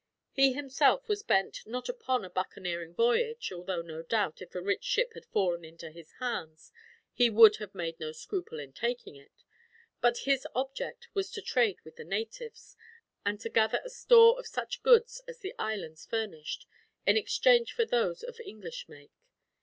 He himself was bent, not upon a buccaneering voyage although, no doubt, if a rich ship had fallen into his hands he would have made no scruple in taking it but his object was to trade with the natives, and to gather a store of such goods as the islands furnished, in exchange for those of English make.